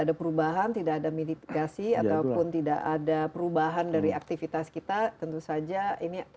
ada perubahan tidak ada mitigasi ataupun tidak ada perubahan dari aktivitas kita tentu saja ini